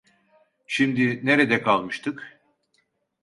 Şimdi, nerede kalmıştık?